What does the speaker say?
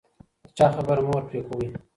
د چا خبره مه ور پرې کوئ.